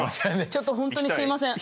ちょっとほんとにすいません。